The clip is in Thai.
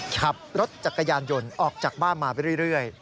ขับรถจักรยานยนต์ออกจากบ้านมาไปเรื่อย